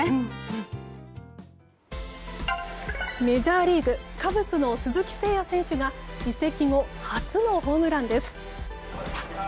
メジャーリーグカブスの鈴木誠也選手が移籍後、初のホームランです。